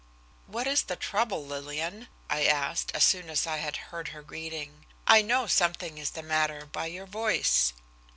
"What is the trouble, Lillian?" I asked, as soon as I had heard her greeting; "I know something is the matter by your voice."